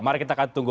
mari kita akan tunggu